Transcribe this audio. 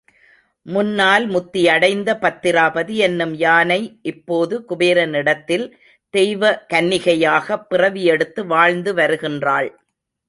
முன்னால் முத்தியடைந்த பத்திராபதி என்னும் யானை, இப்போது குபேரனிடத்தில் தெய்வ கன்னிகையாகப் பிறவியெடுத்து வாழ்ந்து வருகின்றாள்.